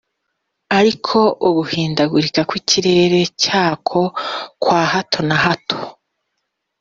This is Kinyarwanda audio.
Ariko uguhindagurika kw’ikirere cyako kwa hato na hato